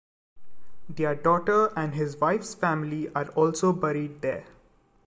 Their daughter and his wife's family are also buried there.